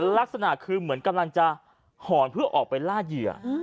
ลักษณะคือเหมือนกำลังจะหอนเพื่อออกไปล่าเหยื่อ